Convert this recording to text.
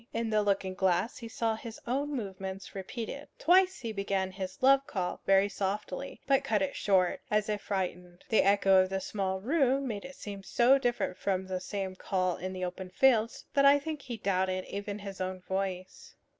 In the looking glass he saw his own movements repeated. Twice he began his love call very softly, but cut it short, as if frightened. The echo of the small room made it seem so different from the same call in the open fields that I think he doubted even his own voice.